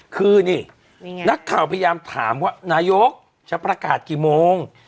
คือนี่นักข่าวพยายามถามว่านายกจะประกาศกี่โมง